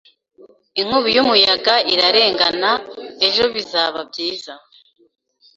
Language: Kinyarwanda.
Inkubi y'umuyaga irarengana ejo bizaba byiza